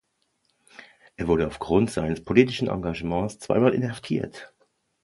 Er wurde aufgrund seines politischen Engagements zweimal inhaftiert.